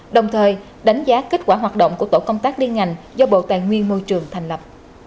đồng thời đánh giá kết quả hoạt động của tổ công tác liên ngành do bộ tài nguyên môi trường thành lập